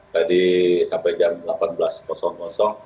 tadi sampai jam